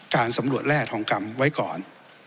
การสำรวจแร่ทองคำไว้ก่อน